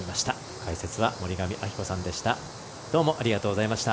解説は森上亜希子さんでした。